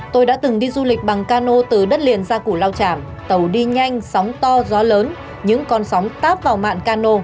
tôi đã từng đi du lịch bằng cano từ đất liền ra củ lao chạm tàu đi nhanh sóng to gió lớn những con sóng táp vào mạng cano